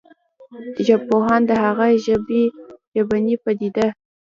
ژبپوهان د هغه ژبنې پديده